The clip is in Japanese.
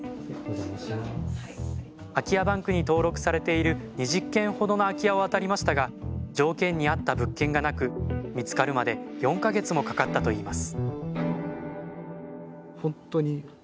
空き家バンクに登録されている２０軒ほどの空き家をあたりましたが条件に合った物件がなく見つかるまで４か月もかかったといいます